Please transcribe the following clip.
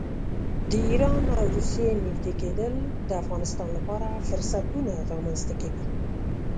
د ایران او روسیې نږدې کېدل د افغانستان لپاره فرصتونه رامنځته کوي.